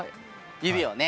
指をね。